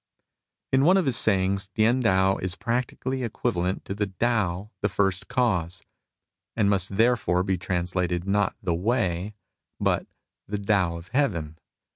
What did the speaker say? In one of his sayings T^ien Tao is practically equivalent to Tao the First Cause, and must therefore be trans lated not the Way but the Tao of Heaven.